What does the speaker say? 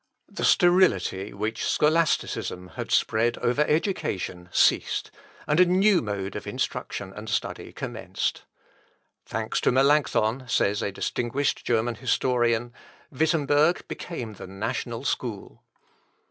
The sterility which scholasticism had spread over education ceased, and a new mode of instruction and study commenced. "Thanks to Melancthon," says a distinguished German historian, "Wittemberg became the national school." Plank.